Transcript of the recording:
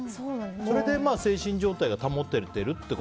それで精神状態が保てていると。